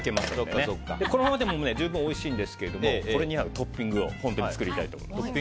このままでも十分おいしいんですけどこれに合うトッピングを作りたいと思います。